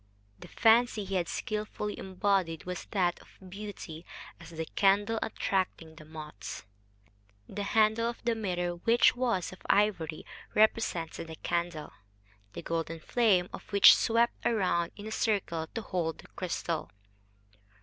The fancy he had skilfully embodied was that of beauty as the candle attracting the moths. The handle of the mirror, which was of ivory, represented the candle, the golden flame of which swept round in a circle to hold the crystal.